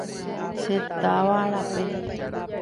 Che táva rape.